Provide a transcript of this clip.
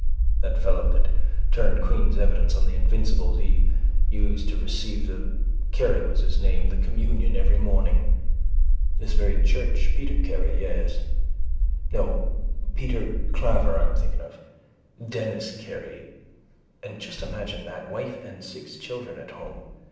That fellow that turned queen's evidence on the invincibles he used to receive the, Carey was his name, the communion every morning. This very church. Peter Carey, yes. No, Peter Claver I am thinking of. Denis Carey. And just imagine that. Wife and six children at home.